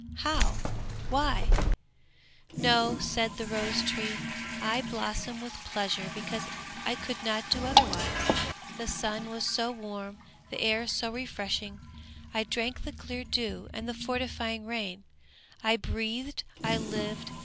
How? Why?" "No," said the rose tree, "I blossom with pleasure because I could not do otherwise. The sun was so warm, the air so refreshing, I drank the clear dew and the fortifying rain; I breathed, I lived!